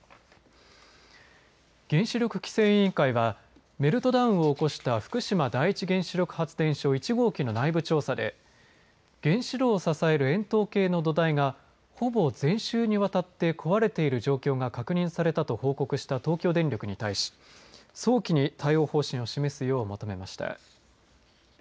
原子力規制委員会はメルトダウンを起こした福島第一原子力発電所１号機の内部調査で原子炉を支える円筒形の土台がほぼ全周にわたって壊れている状況が確認されたと報告した東京電力に対し早期に対応方針を示すよう求めました。